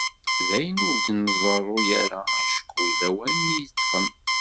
D ayen ur d-neḍri ara acku yella wayen i yi-yeṭṭfen.